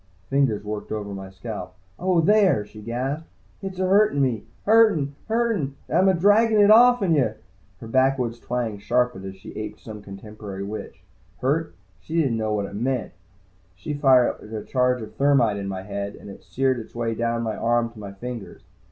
Fingers worked over my scalp. "Oh, there!" she gasped. "Hit's ahurtin' me! Hurtin', hurtin', and I'm a draggin' it off'n yuh!" Her backwoods twang sharpened as she aped some contemporary witch. Hurt? She didn't know what it meant. She fired a charge of thermite in my head, and it seared its way down my arm to my fingers.